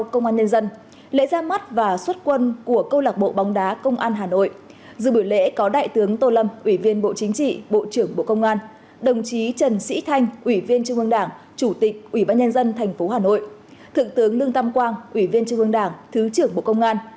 chủ tịch ủy ban nhân dân thành phố hà nội thượng tướng lương tâm quang ủy viên trung ương đảng thứ trưởng bộ công an